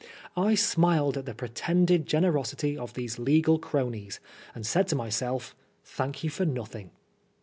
I smiled at the pretended generosity of these legal cronies, and said to myself, *' Thank you for nothing."